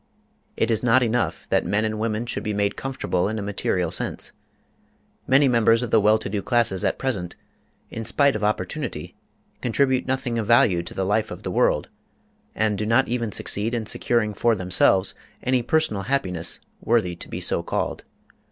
It is not enough that men and women should be made comfortable in a material sense. Many members of the well to do classes at present, in spite of opportunity, contribute nothing of value to the life of the world, and do not even succeed in securing for themselves any personal happiness worthy to be so called.